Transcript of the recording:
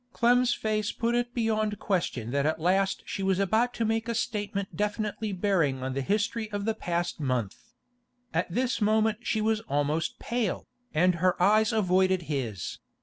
Clem's face put it beyond question that at last she was about to make a statement definitely bearing on the history of the past month. At this moment she was almost pale, and her eyes avoided his.